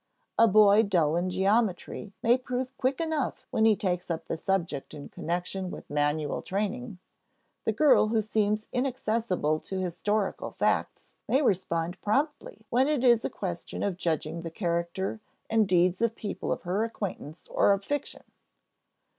A boy dull in geometry may prove quick enough when he takes up the subject in connection with manual training; the girl who seems inaccessible to historical facts may respond promptly when it is a question of judging the character and deeds of people of her acquaintance or of fiction.